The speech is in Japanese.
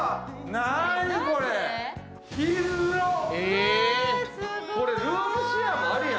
何これ？